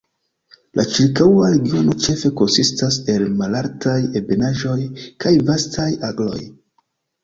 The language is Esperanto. La ĉirkaŭa regiono ĉefe konsistas el malaltaj ebenaĵoj kaj vastaj agroj.